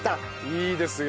いいですよ。